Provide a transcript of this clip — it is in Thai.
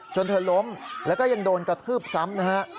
จนเธอล้มแล้วก็ยังโดนกระทืบซ้ำนะฮะ